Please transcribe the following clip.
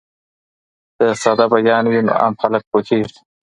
که ساده بیان وي نو عام خلک پوهېږي.